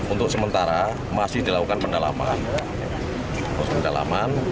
untuk sementara masih dilakukan pendalaman